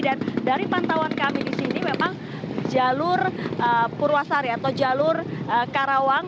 dan dari pantauan kami di sini memang jalur purwasari atau jalur karawang